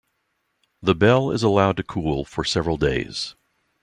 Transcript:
The bell is allowed to cool for several days.